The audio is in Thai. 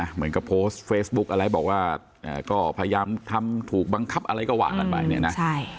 เหมือนกับโพสต์เฟซบุ๊กอะไรบอกว่าก็พยายามทำถูกบังคับอะไรก็ว่ากันไปเนี่ยนะ